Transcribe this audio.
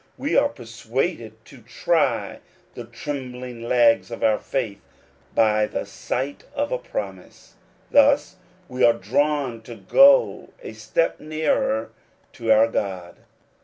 We are persuaded to try the trembling legs of our faith by the sight of a promise. Thus we are drawn to go a step nearer to our God.